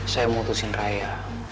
saya mau putusin raya